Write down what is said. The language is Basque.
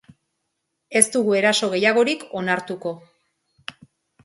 Ez dugu eraso gehiagorik onartuko.